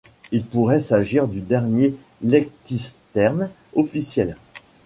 Il pourrait s'agir du dernier lectisterne officiel.